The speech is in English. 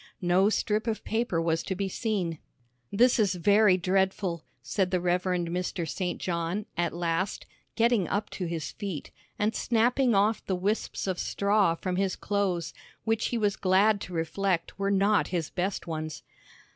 No strip of paper was to be seen. "This is very dreadful," said the Rev. Mr. St. John, at last, getting up to his feet, and snapping off the wisps of straw from his clothes, which he was glad to reflect were not his best ones.